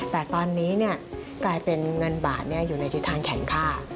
แต่ตอนนี้กลายเป็นเงินบาทอยู่ในทิศทางแข็งค่า